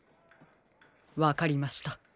わかりました。